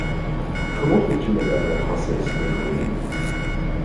Comment trouves-tu madame la princesse Negroni ?